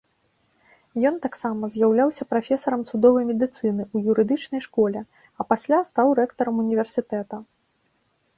Ён таксама з'яўляўся прафесарам судовай медыцыны ў юрыдычнай школе, а пасля стаў рэктарам універсітэта.